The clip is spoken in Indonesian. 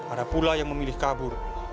ada pula yang memilih kabur